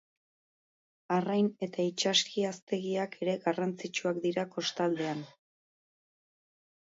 Arrain- eta itsaski-haztegiak ere garrantzitsuak dira kostaldean.